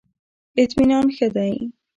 اطمینان ښه دی.